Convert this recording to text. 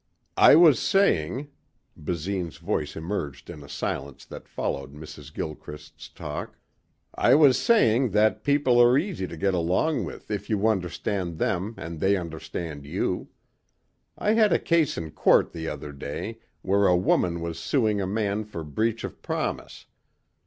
"I was saying," Basine's voice emerged in a silence that followed Mrs. Gilchrist's talk, "I was saying that people are easy to get along with if you understand them and they understand you. I had a case in court the other day where a woman was suing a man for breach of promise.